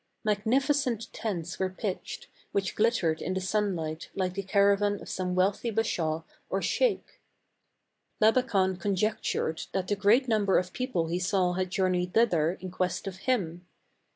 Magnificent tents were pitched, which glittered in the sun light like the caravan of some wealthy Bashaw or Sheik. Labakan conjectured that the great number of people he saw had journeyed thither in quest of him.